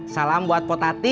salam buat potati